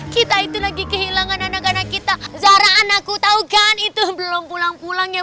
kita itu lagi kehilangan anak anak kita zara anakku tau kan itu belum pulang pulang yang